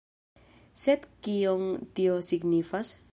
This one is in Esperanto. Sed kion tio signifas?